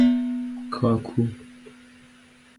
کا کو